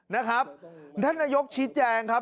นะครับท่านนายกชี้แจงครับ